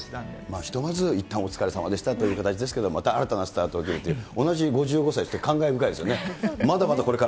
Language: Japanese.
ひとまず、いったんお疲れさまでしたという形ですけども、また新たなスタートを切るという、同じ５５歳、感慨深いですよね。